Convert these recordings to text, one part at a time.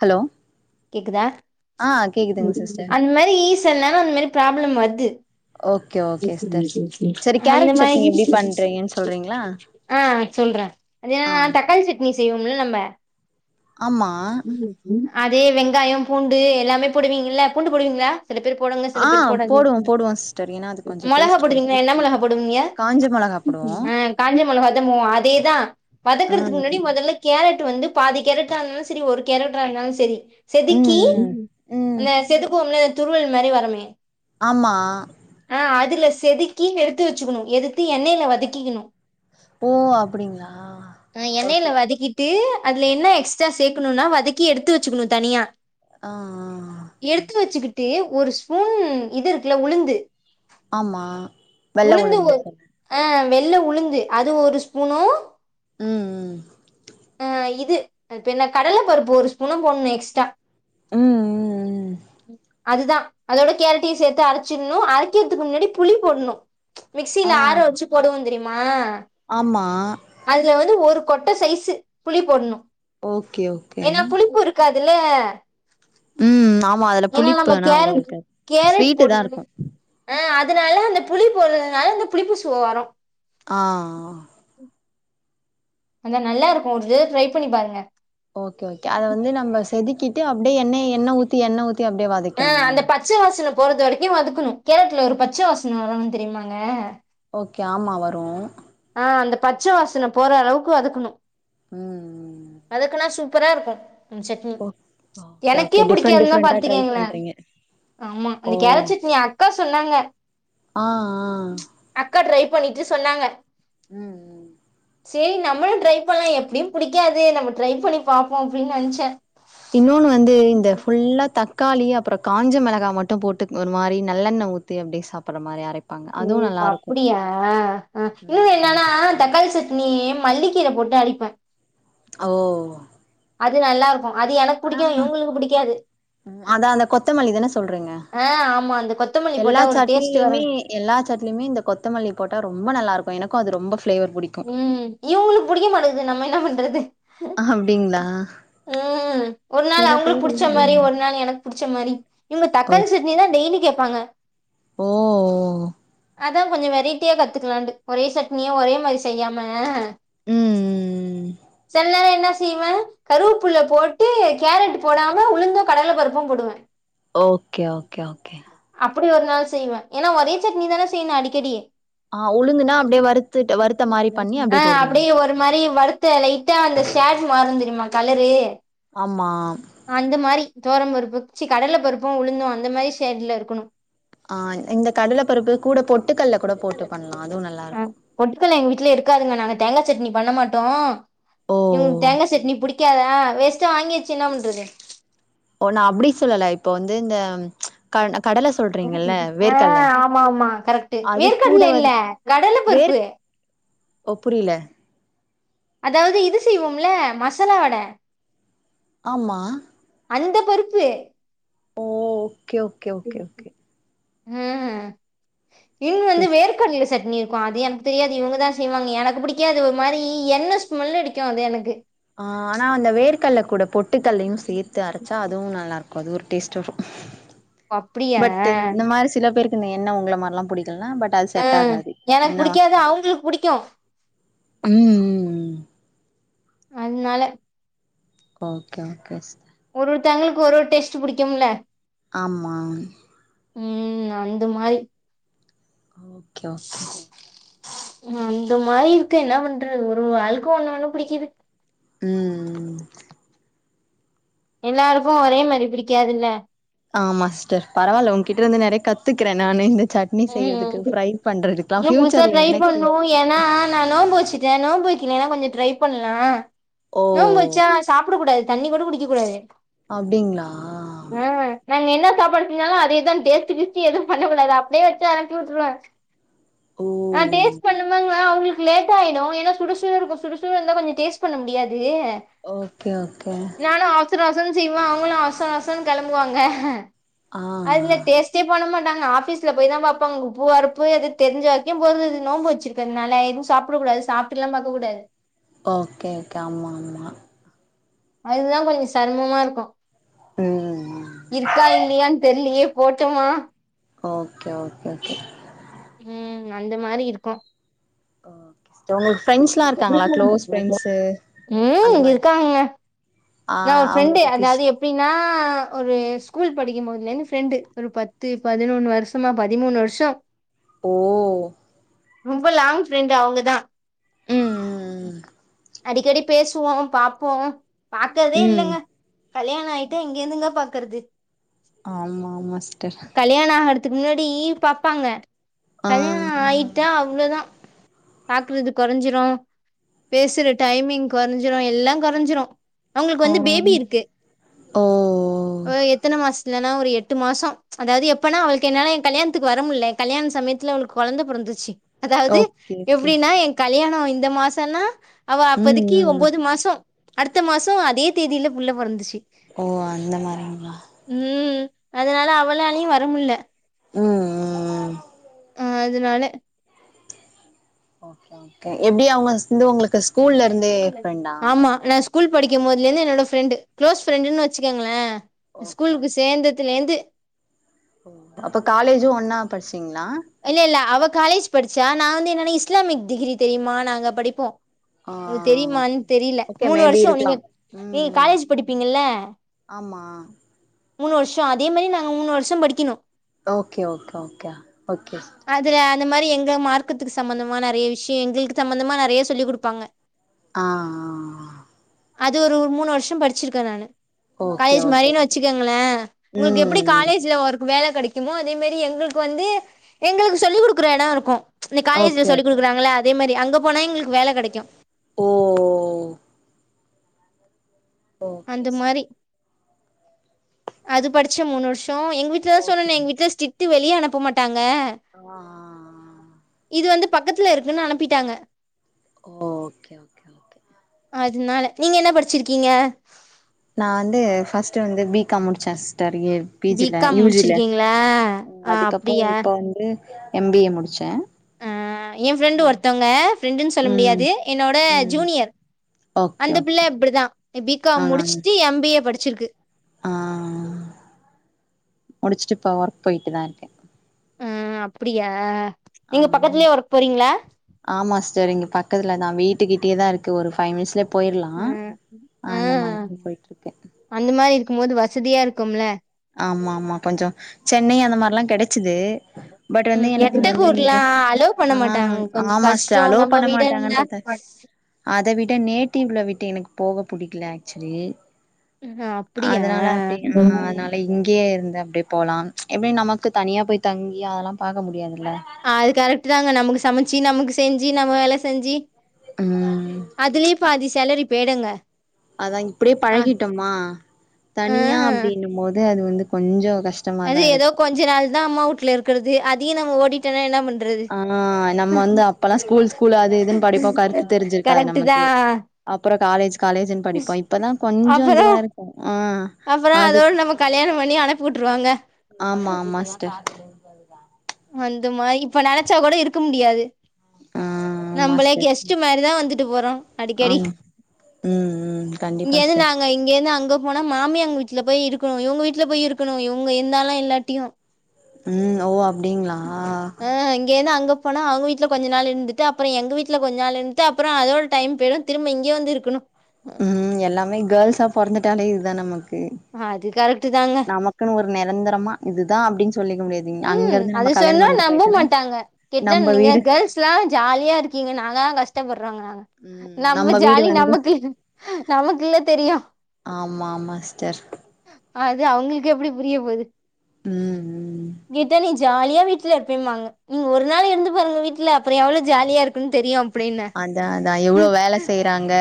hello கேக்குதா ஆ கேக்குதுங்க சிஸ்டர் அந்த மாரி சில நேரம் அந்த மாரி ப்ராப்ளம் வருது ஓகே ஓகே சிஸ்டர் சரி அந்த கேரட் சட்னி மாரி எப்டி பண்றீங்கன்னு சொல்றீங்களா ஆ சொல்ற அது ஆ தக்காளி சட்னி செய்வோம்ல நம்ம ஆமா ம் அதே வெங்காய பூண்டு எல்லாமே போடுவீங்கள பூண்டு போடுவீங்களா சில பேர் போடுவாங்க சில ஆ பேர் போடாதுங்க போடுவோ போடுவோ சிஸ்டர் ஏன்னா அது கொஞ்சோ மெளகா டேஸ்ட் குடுக்கு போடுவீங்கல என்ன மெளகா போடுவீங்க காஞ்ச மொளகா போடுவோ ஆ காஞ்ச மெளகாதா அதேதா வதக்குறதுக்கு ம் முன்னாடி மொதல்ல கேரட் வந்து பாதி கேரட்டா இருந்தாலும் செரி ஒரு கேரட்டா இருந்தாலும் செரி ம் செதுக்கி ம் ம் அந்த செதுக்குவோம்ல இ துருவல் மாரி வருமே ஆமா ஆ அதுல செதுக்கி எடுத்து வச்சுக்கணு எடுத்து எண்ணெயில வதக்கிக்கணு ஓ அப்படிங்களா ஓகே ட்டு அதுல என்ன எக்ஸ்ட்ரா சேக்கணும்னா வதக்கி எடுத்து வச்சுக்கணு தனியா ஆ ஆ எடுத்து வச்சுக்கிட்டு ஒரு ஸ்பூன் இது இருக்குல உளுந்து ஆமா வெள்ள உளுந்து ஆ வெள்ள உளுந்து அது ஒரு ஸ்பூனு ம் ம் ஆ இது அது பேரென்ன கடல பருப்பு ஒரு ஸ்பூனு போட்ணு எக்ஸ் ஸ்டா ம் ம் ம் அதுதா அதோட கேரட்டையு சேத்து அரைச்சிர்ணு அரைக்கிறதுக்கு முன்னாடி புளி போட்ணு ஆ மிக்சில ஆர வச்சு போடுவோ தெரியுமா ஆமா அதுல வந்து ஒரு கொட்ட சைஸு புளி போட்ணு ஓகே ஓகே ஏனா புளிப்புரு இல்ல ம் ஆமா அதுல ஏனா புளிப்பு நம்ம ஆனா அவ்ளோ கேரட் இருக்காது கேரட் ஸ்வீட்டு தா போடுனால இருக்கு ஆ அதனால அந்த புளிப்போடுறதுனால அந்த புளிப்பு சுவ வரு ஆ அந்த நல்லாருக்கு ஒருதே ட்ரை பண்ணி பாருங்க ஓகே ஓகே அத வந்து நம்ம செதுக்கிட்டு அப்டியே எண்ணெ எண்ணெ ஊத்தி எண்ணெ ஊத்தி அப்டியே வத ஆ அந்த பச்ச வாசன போறது வரைக்கு வதக்கணு கேரட்ல ஒரு பச்ச வாசன வரு தெரியுமாங்க ஓகே ஆமா வரு ஆ அந்த பச்ச வாசனை போற அளவுக்கு வதக்கணு ம் வதக்குனா சூப்பரா இருக்கு சட்னி ஓ ஓகே எனக்கே ஓகே டிஃப்ரெண்ட் புடிக்காதுனா டிஃப்ரெண்டா ட்ரை பாத்துக்கங்களே பண்றீங்க ஆமா ஓ அந்த கேரட் சட்னி அக்கா சொன்னாங்க ஆ ஆ அக்கா ட்ரை பண்ணிட்டு சொன்னாங்க ம் செரி நம்மளு ட்ரை பண்லா எப்டியு புடிக்காது நம்ம ட்ரை பண்ணி பாப்போ அப்டினு நென்ச்ச இன்னொன்னு வந்து இந்த ஃபுல்லா தக்காளி அப்றோ காஞ்ச மெளகா மட்டு போட்டு ஒரு மாரி நல்லெண்ண ஊத் தி அப்டி சாப்பற மாரி ‌அரை ம் அப்டியா ஆ இன்னு ம் என்னனா தக்காளி சட் நீ மல்லிக்கீர போட்டு அவிப்போ ஓ அது நல்லாருக்கு அது எனக்கு புடிக்கு ஆனா இவங்களுக்கு புடிக்காது அதா அந்த கொத்தமல்லி தான சொல்றீங்க ஆ ஆமா அந்த கொத்தமல்லி எல்லா போட்டா ஒரு டேஸ்ட் சட்னிலமே வருங் எல்லா சட்னிமே இந்த கொத்தமல்லி போட்டா ரொம்ப நல்லாருக்கு எனக்கு அது ரொம்ப ஃப்ளேவர் பிடிக்கு இவங்களுக்கு புடிக்க மாட்டேன்து நம்ம என்ன பண்றது அப்டிங்களா ம் ஒரு நாள் சில அவங்களுக்கு புடிச்ச பேருக்கு மாரி ஒரு நாள் எனக் புடிச்ச மாரி இவங்க ஓ தக்காளி சட்னிதா டெய்லி கேப்பாங்க ஓ அதா கொஞ்சோ வெரைட்டியா கத்துக்கலான்டு ஒரே சட்னிய ஒரே மாரி செய்யாம ம் ம் சொன்னனே என்ன செய்வ கருவேப்புள்ள போட்டு கேரட் போடாம உளுந்து கடல பருப்பு போடுவ ஓகே ஓகே ஓகே அப்டி ஒரு நாள் செய்வ ஏன்னா ஒரே சட்னி தான செய்யணு அடிக்கடி ஆ உளுந்துனா அப்டியே வருத்துட்டு வரு அப்டியே வரு ஒரு மாரி வருத்து லைட்டா அந்த ஷேட் மாறு தெரிமா அந்த கலரு ஆமா அந்த மாரி தொவரம் பருப்பு கடல பருப்பு உளுந்து அந்த மாரி ஷேட்ல இருக்கணு ஆ இந்த கடல பருப்பு கூட பொட்டுக்கல்ல கூட போட்டு பண்லா அதுவு நல்லா இருக்கு ட்டுக்கல்ல இருக்காதுங்க எங்க வீட்ல இருக்காதுங்க நாங்க தேங்காய் சட்னி பண்ண மாட்டோ ஓ எங்களுக்கு தேங்கா சட்னி புடிக் கக்காதா வேஸ்டா வாங்கி வச்சு என்ன பண்றது ஓ நா அப்டி சொல்லல இப்ப வந்து இந்த கட கடல சொல்றீங்கல்ல ஆ வேர்க்கல்ல ஆமா ஆமா கரெக்ட்டு அது வேர்க் கூட கடல வந் இல்ல கடலப்பருப்பு ஓப் புரியல அதாவது இது செய்வோம்ல மசாலா வட ஆமா அந்த பருப்பு ஓ ஓகே ஓகே ஓகே ம் ஓகே ம் இன்னு வந்து எஸ் வேர்க்கடல சட்டினி இருக்கு அதே எனக் தெரியாது இவுங்கதா செய்வாங்க எனக்கு புடிக்காது ஒரு மாரி எண்ண ஸ்மல் அடிக்கு அது எனக்கு ஆ ஆனா அந்த வேர்கல்ல கூட பொட்டுக்கல்லையு சேத்து அரச் சா அதுவு நல்லா இருக்கு அது ஒரு டேஸ்ட்டு அப்படியா பட் இந்த மாரி சில பேருக் இந்த எண்ண உங்கள மார்லா புடிக்கலேன்னா பட் அது செட் ம் ஆகாது எனக்கு எண்ணெ புடிக்காது வாசன அவுங்களுக்கு புடிக்கு ம் ம் ம் அன் நால ஓகே ஓகே ஸ் ஒரு ஒருத்தங்களுக்கு ஒரு ஒரு டேஸ்ட் புடிக்கும்ல ஆம்மாம் ம் ம் அந்த மாரி ஓகே ஓகே அந்த மாரி இருக்கு என்ன பண்றது ஒரு ஒரு ஆளுக்கு ஒண்ணு ஒண்ணு புடிக்கிது ம் ம் ம் எல்லாருக்கு ஒரே மாரி பிடிக்காதுல்ல ஆமா சிஸ்டர் பரவால்ல உங்ககிட்ட இருந்து நெறையா கத்துக்கிறே நானு இந்த சாட் இனி ம் செய்யறதுக்கு ஃப்ரை பண்றதுக்கெலா இன்னு புதுசா பியூச்சர்ல ட்ரை எனக்கு பண்ணு ஏன்னா நா நோம்பு வச்சுட்டே நோம்ன்பு வக்கெலேன்னா கொஞ்ச ட்ரை பண்லா ஓ நோம்பு வச்சா சாப்புட கூடாது தண்ணி கூட குடிக்க கூடாது அப்டிங்ளா ஆ நாங்க என்ன சாப்பாடு செஞ்சாலு அது எதுவு டேஸ்டு கீஸ்டு எதும் பண்ண கூடாது அப் டே வச்சு அத அனுப்பி விட்ருவே ஓ ஆ டேஸ்ட் பண்ணபாங்கலா அவுங்களுக்கு க்கு லேட் ஆயிடு ஏன்னா சுட சுட இருக்கு சுட சுட இருந்தா கொஞ்சோ டேஸ்ட் பண்ண முடியாது ஓகே ஓகே நானு அவசர அவசரன்னு செய்வே அவுங்களு அவசர அவசரன்னு கெளம்புவாங்க ஆ அதுல டேஸ்ட் ஸ்டே பண்ண மாட்டாங்க ஆபிஸ் ல போய் தா பாப்பாங்க அங்க உப்பு ஒரப்பு எது தெரிஞ்ச வரைக்கும் போது நோம்பு வச்சுருக்கேற்னால எதுவு சாப்புடக்கூடாது சாப் இப்டிலா பாக்கக் கூடாது ஓகே ஓகே ஆமா ஆமா அதுதா கொஞ்ச செரமம்மா இருக்கு ம் ம் ம் இருக்கா இல்லையான் தெரியலையே போட்டோமா ஓகே ஓகே ஓகே ம் அந்த மாரி இருக்கு சிஸ்டர் உங்களுக்கு ஃப்ரெண்ட்ஸ்லா இருக்காங்களா க்ளோஸ் ஃப்ரெண்ட்ஸு அந்த உம் மாரி இருக்காங்க ஆ நா ஒரு அவங்கள ஃப்ரெண்டு பத்தி அதாவ்து எப் பின்னா ஒரு ஸ்கூல் படிக்கும்போதுலேந்து ஃப்ரெண்டு ஒரு பத்து பதினொன் வருஸமா பதிமூணு வர்ஷோ ஓ ஓ ரொம்ப லாங் ஃப்ரெண்ட் அவ்ங்க தா ம் ம் அடிக்கடி பேசுவோ பாப்போ பாக்கதே ம் ம் இல்லங்க கல்யாண ஆய்ட்டா இங்கிந்துங்க பாக்கற்து ஆமா ஆமா சிஸ்டர் கல்யாண அடுத் த்துக் முன்னாடி பாப்பாங்க ஆ கல்யாண ஆயிட்டா அவ்ளோதா பாக்றுதுப் கொறைஞ்சிரு பேசுற டைமிங் கொறைஞ்சிரு எல்லா கொறைஞ்சிரு அவங்ளுக் வந்து ஆ பேபி இருக்கு ஓ வொய் எத்தன மாசத்துலன்னா ஒரு எட்டு மாசோ அதாவ்து எப்பனா அவளீக்கு என்னால என் கல்யாண்த்துக்கு வர முல்ல கல்யாண் சமயத்துல அவளுக்கு கொழந்த பொறந்துச்சி அதாவ்து ஓகே ஓகே எப்படின்னா என் கல்யாணம் இந்த மாசனா அவ ம் அப்பதிக்கி ம் ஒம்போது மாசோ அடுத்த மாசோ அதே தேதில புள்ள பொறந்துச்சி ஓ அந்த மாரிங்ளா உம் அதனால அவளாலையு வரமுல்ல ஊ அ அதனாலே ஓகே ஓகே எப்டி அவங்கல் சிந்து உங்ளுக்குஸ் ஆமா நா ஸ்கூல் படிக்கும்போத்ல இந்நு என்னோட ஃப்ரெண்டு் க்ளோஸ் ஃப்ரெண்டுன்னு வச்சுக்கங்ளே ஓகே ஸ்கூல்க்கு ஓகே சேந்தத்துலேந்து அப்ப காலேஜு ஒன்னா படிச்சீங்ளா இல்ல இல்ல அவ காலேஜ் படிச்சா நா வந்து என்னனா இஸ்லாமிக் டிகிரி தெரியும நாங்க படிப்போ ஆ உங்க தெரியுமான் ஓகே தெரில ஓகே மூணு மேபி வருஷோ நீங்க இருக்கலாம் ம் நீங்க ம் காலேஜ் படிப்பீங்கில்ல ஆமா மூணு வருஷோ அதே மாரி நாங்க மூணு வருஷோ படிக்கணு ஓகே ஓக ஒக்யா ஒக்கேஸ் அதுல அந்த மாரி எங்க மார்க்கத்துக்கு சம்மந்தமா நெறைய விஷ்ஷே எங்குள்க்கு தம்மந்தமா நெறைய சொல்லிக் குடுப்பாங்க ஆ ஆ அது ஒரு மூணு வர்ஷோ படிச்சிருக்க நானு ஓகே காய்ஜ் ஓகே மாரின் ஓகே வச்சுக்குங்களே உங்கக்கு ம் எப்படி ம் காலேஜ்ல அவர்க்கு வேல கடிக் இம்மோ அதே மேரி எங்கள்க்கு வந்து எங்களுக்கு சொல்லிக் குடுக்குற யடோ இருக்கு இந காலேஜ்ல ஓகே சொல்லிக் ஓகே குடுக்குறாங்கள அதே மாரி அங்க போனா எங்கள்க்கு வேலை கடக்யு ஓ ஓ ஓகே அந்த மாரி சிஸ்டர் அது படிச்ச மூணு வருஷோ எங்க வீட்ல ஓகே சொன்னனே எங்க வீட்ல ஸ்டிட்டு வெளிய அனுப்ப மாட்டாங்க உவ ஹா ஹா இது வந்து பக்கத்துல இருக்குன் அனப்பிட்டாங்க ஓ ஓகே ஓகே ஓகே அதுனால நீங்க என்ன படிச்சிர்க்கீங்க நா வந்து ஃபஸ்ட்டு வந்து பிகாம் முடிச்ச ஸ்டர் ஏழ் பி பிஜில காம் யூஜில முடிச்சிருக்கீங்களா ஆ அதுக்கப்புறம் அப்டியா இப்போ வந்து எம்பிஏ முடிச்ச என் ஃப்ரெண்டு ஒருத்தவுங்க ஃப்ரெண்டுன்னு சொல்ல ம் முடியாது என்னோட ம் ஜூனியர் ஓகே அந்த ஓகே பிள்ள இப்படிதான் பி காம் முடிச்சுட்டு எம்பிஏ படிச்சிருக்கு ஆ ஆ முடிச்சிட்டு இப்போ ஒர்க் போயிட்டு தா இருக்கே ஆ அப்படியா ஆமாமா ஆமா சிஸ்டர் இங்க பக்கத்துலதா வீட்டுக்கிட்டயே தா இருக்கு ஒரு ஃபைவ் மினிட்ஸ்ல போயிரலா ம் ஆ அந்த மாதிரி தா போய்ட்டு இருக்கே அந்த மாரி இருக்கும் போது வசதியா இருக்கும்ல ஆமா ஆமா கொஞ்சம் சென்னை அந்த மாரில்லா கெடைச்சிது பட் வந்து ம் எனக்கு வந்து எட்டக்கூர்லா இங்க அலோ பண்ண ஆ மாட்டாங்க கொஞ்சோ ஆமா சிஸ்டர் கஷ்டோ அலோ நம்ம பண்ண வீடுன்னா மாட்டாங்கன்றத அத விட நேட்டிவ்ல விட்டு எனக்கு போக பிடிக்கல ஆக்சுவலி அப்டியா அதனால அப்படி ஆ அதனால இப்ப இங்கேயே இருந்து அப்டியே போலாம் எப்படி நமக்கு தனியா போய் தங்கி அதெல்லா பாக்க முடியாதுல்ல அது கரெக்ட்டு தாங்க நமக்கு சமச்சு நமக்கு செஞ்சு நம்ம வேல செஞ்சு ம் அதுலயே பாதி சேலரி பெய்டுங்க அதான் இப்படியே பழகிட்டோமா ஆ தனியா அப்படின்னும் போது அது வந்து கொஞ்சோ கஷ் அது ஏதோ கொஞ்ச நாள் தா அம்மா வீட்ல இருக்குறது அதையும் நம்ம ஓடி ட்டனா என்ன பண்றது ஆ நம்ம வந்து அப்பல்லா ஸ்கூல் ஸ்கூல் அது இதுன்னு படிப்போ கரெக்ட்டு தா அப்புறோ காலேஜ் காலேஜ்ன் படிப்பா இப்பதா கொஞ்சம் அப்பறோ இதுவா இருக்கும் ஆ அது போட்டுருவாங்க ஆமா ஆமா சிஸ்டர் வந்துமா இப்ப நினச்சா கூட இருக்க முடியாது ஆ ஆமா நம்பளே சிஸ்டர் கெஸ்ட் மாதிரிதா வந்துட்டு போறோ அடிக்கடி உம் உம் கண்டிப்ப இங்கேயந்து நாங்க இங்க இருந்து அங்க போனா மாமியாங்க வீட்டுல போய் இருக்கணும் இவுங்க வீட்டுல போய் இருக்கணு இவுங்க இருந்தாலு இல்லாட்டியு உம் ஓ அப்டிங்களா ஆ இங்கேருந் அங்கப் போனா அவுங்க வீட்டுல கொஞ்ச நாள் இருந்துட்டு அப்புறம் எங்க வீட்டுல கொஞ்ச நாள் இருந்துட்டு அப்புறம் அதோட டைம் போயிரும் திரும்ப இங்க வந்து இருக்கணு ம் எல்லாமே கேர்ள்ஸா பிறந்துட்டாலே இதுதா நமக்கு அது கரெக்ட்டு தாங்க நமக்குன்னு ஒரு நிரந்தரமா இதுதா அப்படின்னு சொல்லிக்க முடியாது அங்க உம் இருந்து அது நம்ம கல்யாண சொன்னா பண்ட்டு நம்ப போயிட்டோனா மாட்டாங்க கேட்டா நம்ம நீங்க வீடு கேர்ள்ஸ் லா ஜாலியா இருக்கீங்க நாங்க தா கஷ்டப்படுறோங்குராங்க ம் நம்ம வீடு ஜாலி வந்து நமக்கு நமக்குல்ல தெரியும் ஆமா ஆமா சிஸ்டர் அது அவுங்களுக்கு எப்படி புரிய போகுது உம் உம் கேட்டா நீ ஜாலியா வீட்ல இருப்பேம்பாங்க ம் ஒரு நாள் இருந்து பாருங்க வீட்ல அப்புறம் எவ்வளவு ஜாலியா இருக்குன் தெரியும் அப்பிடின்ப அதான் அதான் எவ்ளோ வேல செய்யுறாங்க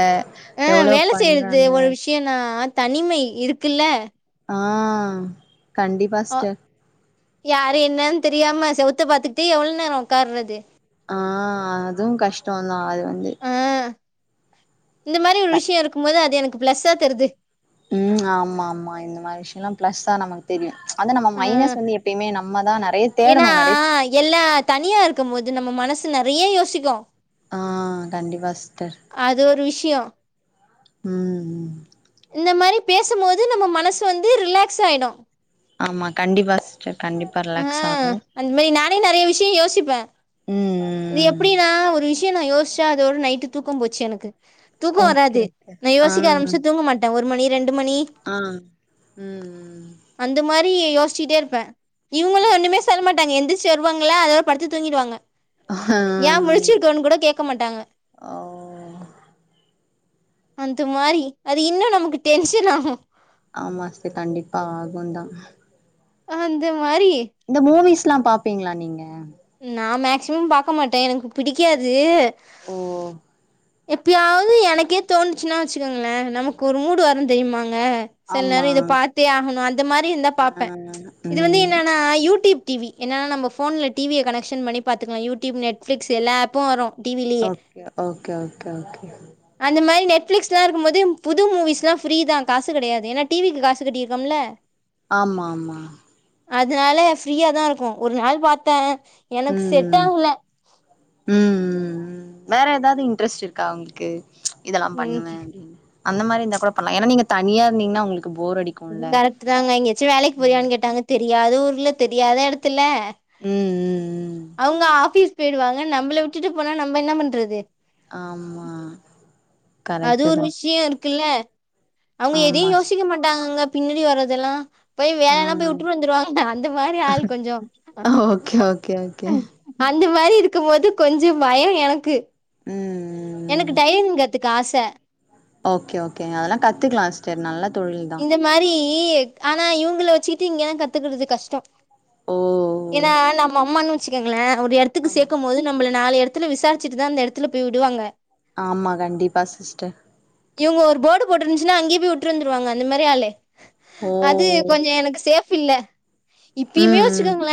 அ வேல செய்றது ஒரு விஷயனா தனிமை இருக்குல்ல ஆ கண்டிப்பா அ ஸ்டர் யாரு என்னன் தெரியாம செவுத்த பாதுக்கிட்டே எவ்ள நேரோ உக்கார்றது ஆ அதுவு கஷ்டோந்தா அது வந்து ஆ இந்த மாதிரி ஒரு விஷயம் இருக்கும் போது அது எனக்கு ப்ளஸ்ஸா தெரிது ம் ஆமாமா இந்த மாரி விஷயல்லா ப்ளஸ் தா நமக் தெரியு அத நம்ம ஆ மைனஸ் வந்து எப்பயுமே நம்ம தா நெறைய தேடணு நறை ஆ எல்லா தனியா இருக்கும் போது நம்ம மனசு நறைய யோசிக்கு ஆ கண்டிப்பா சிஸ்டர் அது ஒரு விஷயோ ம் ம் இந்த மாரி பேசும் போது நம்ம மனசு வந்து ரிலக்ஸ் ஆய்டு ஆமா கண்டிப்பா சிஸ்டர் கண்டிப்பா ஆ ரிலக்ஸ் ஆகு அந்த மாரி நானே நெறைய விஷயம் யோசிப்ப ம் இது ம் எப்டின்னா ஒரு விஷயோ நா யோசிச்சா அதோட நைட்டு தூக்கம் போச்சு எனக்கு தூக்கோ ஓகே வராது ஓகே நா ஆ யோசிக்க ஆரமிச்சா தூங்க மாட்ட ஒரு மணி ரெண்டு மணி ஆ ம் ம் அந்த மாரி யோசிச்சிட்டே இருப்ப இவங்களு ஓகே ஒண்ணுமே சொல்ல மாட்டாங்க எந்தி ச்சு வருவாங்களா அதோட படுத்து தூங்கிடுவாங்க ஆ யா முழச்சிருக்கன்னு கூட கேக்க மாட்டாங்க ஓ அந்த மாரி அது இன்னு நமக்கு டென்ஷன் ஆகு ஆமா சிஸ்டர் கண்டிப்பா ஆகுந் தா அந்த மாறி இந்த மூவிஸ்ல்லா பாப்பீங்ளா நீங்க நான் மக்சிமம் பாக்க மாட்டே எனக்கு பிடிக்காது ஓ எப்பயாது எனக்கே தோணச்சுன்னா வச்சுக்கங்கள நமக்கு ஒரு மூடு வரு தெரிமாங்க செல ஆமா நேரோ இத பாத்தே ஆகணு அந்த மாரி இருந்தா ஆ பாப்ப இது வந்து ம் என்னன்னா யூடிப் டி வி என்னன்னா நம்ம போன்ல டி வி ய கனெக்ஷன் பண்ணி பாத்துகலா யுடியூப் நெட்ப்ளிக்ஸ் எல்லா அப்பு வரு ஓகே ஓகே ஓகே ஓகே அந்த மாரி நெட்ப்ளிக்ஸ்லா இருக்கும் போது புது மூவிஸ்ல்லா ஃப்ரீ தா காசு கெடையாது ஏன்னா டிவிக்கு காசு கெட்டியிருக்கோம்ல அ ஆமாமா அதுனால ஃப்ரீயா தா இருக்கு ஒரு நாள் பாத்த ம் ம் ம் ம் ம் வேற எதாது இன்ட்ரெஸ்ட் இருக்கா உங்களுக்கு இதெல்லா ம் பண்ணுவ அப்டின்னு அந்த மாரி இருந்தா கூட பன்லா ஏன்னா நீங்க தனியா இருந்தீங்கன்னா உங்களுக்கு போர் அடிக் அது கரெக்ட் தாங்க எங்கயாச்சு வேலைக்கு போரியான் கேட்டாங்க தெரியாத ஊர்ல தெரியாத எடத்துல ம் ம் ம் அவங்க ஆபீஸ் போயிடுவாங்க நம்மள விட்டுட்டு போனா நம்ம என்ன பண்றது ஆம்மா அது ஒரு விஷயோ இருக்குல்ல அவங்க எதையு ஆமா ஸ் யோசிக்க மாட்டாங்கங்க பின்னாடி வர்றதெல்லா போய் ஆ வேலைனா போய் வுட்டுட்டு வந்துருவாங்கா அந்த மாரி ஆள் கொஞ்சம் ஓகே ஓகே ஓகே [unintelligible] அந்த மாரி இருக்கும் போது கொஞ்சோ பயோ எனக்கு ம் எனக்கு ம் டைலரிங் கத்துக்க ஆச ஓகே ஓகே அதெல்லா கத்துக்கலா சிஸ்டர் நல்ல தொழில் தா இந்த மாரி ஆனா இவங்கள வச்சுட்டு இங்கலா கத்துக்கறது கஷ்டோ ஓ ஏனா நம்ம அம்மான்னு வச்சுக்கங்களே ஒரு எடத்துக்கு சேக்கும்போது நம்ள நாலு எடத்துல விசாரிச்சிட்டு தா அந்த எடத்துல போய் விடுவாங்க ஆமா கண்டிப்பாக சிஸ்டர் இவுங்க ஒரு போர்டு போட்ருந்துச்சுன்னா அங்கயே போய் உட்ரு வந்துருவாங்க அந்த மாரி ஆளு ஓ அது கொஞ்சோ எனக்கு சேஃப் இல்ல இப்பியுமே ம் ம் வச்சுக்கங்களே